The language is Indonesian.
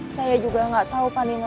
saya juga gak tahu pak lino